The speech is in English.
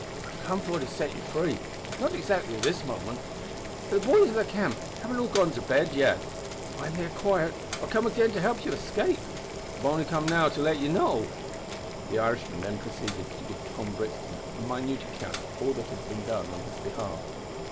I've come for to set you free not exactly at this momint, howiver, for the boys o' the camp haven't all gone to bed yet; but whin they're quiet, I'll come again an' help you to escape. I've only come now to let you know." The Irishman then proceeded to give Tom Brixton a minute account of all that had been done in his behalf.